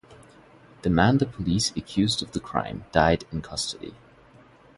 The man the police accused of the crime died in custody.